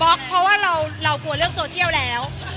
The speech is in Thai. เพราะว่าเรากลัวเรื่องโซเชียลแล้ว